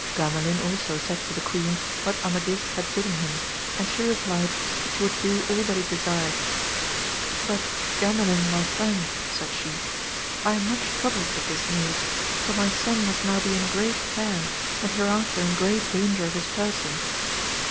GandaHn also said to the queen, what Ama dis had bidden him ; and she replied, that she would do all that he desired ; but Gandalin my friend, said she, I am much troubled at this news, for my son must now be in great care and hereafter in great danger of his person.